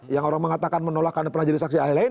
yang orang mengatakan menolak karena pernah jadi saksi ahli